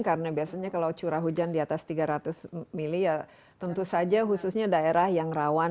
karena biasanya kalau curah hujan di atas tiga ratus mm ya tentu saja khususnya daerah yang rawan